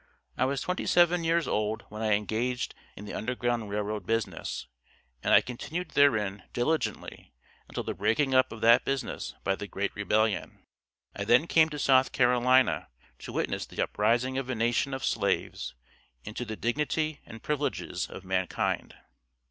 I was twenty seven years old when I engaged in the Underground Rail Road business, and I continued therein diligently until the breaking up of that business by the Great Rebellion. I then came to South Carolina to witness the uprising of a nation of slaves into the dignity and privileges of mankind.